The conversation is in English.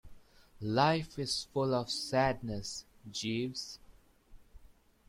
Life is full of sadness, Jeeves.